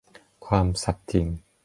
ความสัตย์จริง